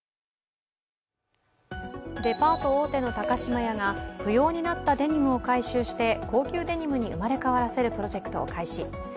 デパート大手の高島屋が不要になったデニムを回収して高級デニムに生まれ変わらせるプロジェクトを開始。